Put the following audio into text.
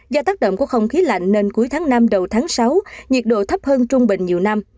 do tác động của không khí lạnh nên cuối tháng năm đầu tháng sáu nhiệt độ thấp hơn trung bình nhiều năm